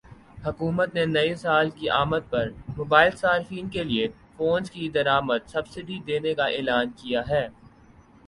حکومت نے نئی سال کی آمد پر موبائل صارفین کے لیے فونز کی درآمد پرسبسڈی دینے کا اعلان کیا ہے